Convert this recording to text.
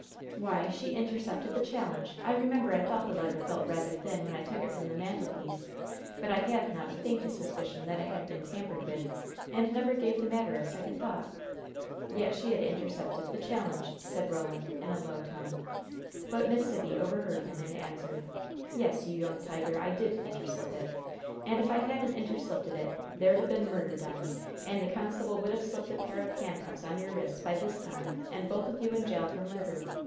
"Why, she intercepted the challenge! I remember I thought the letter felt rather thin when I took it from the mantelpiece, but I had not the faintest suspicion that it had been tampered with, and never gave the matter a second thought. Yet she had intercepted the challenge," said Roland, in a low tone. But Miss Sibby overheard him, and answered: "Yes, you young tiger, I did interslip it! And, if I hadn't interslipted it, there'd 'a' been murder done, and the constable would have slipted a pair of handcuffs on your wrists by this time and both of you in jail for murder!